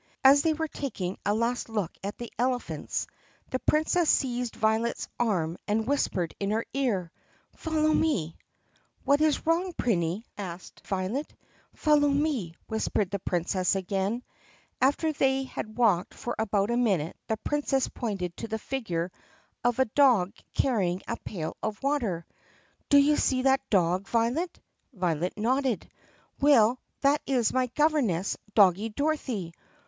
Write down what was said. As they were taking a last look at the elephants, the Prin cess seized Violet's arm and whispered in her ear, "Follow me !" "What is wrong, Prinny?" asked Violet. "Follow me!" whispered the Princess again. After they had walked for about a minute the Princess pointed to the figure of a dog carrying a pail of water. "Do you see that dog, Violet?" Violet nodded. "Well, that is my governess, Doggie Dorothy.